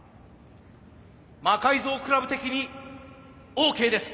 魔改造倶楽部的にオーケーです！